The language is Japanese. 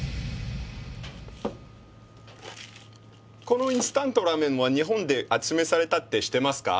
このインスタントラーメンは日本で発明されたって知ってますか？